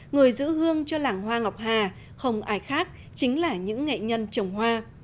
người giữ hương cho làng hoa ngọc hà không ai khác chính là những nghệ nhân trồng hoa